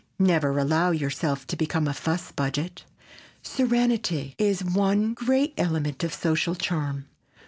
Never allow yourself to become a fussbudget. Serenity is one great element of social charm.